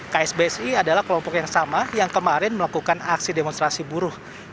ksbsi adalah kelompok yang sama yang kemarin melakukan aksi demonstrasi buruh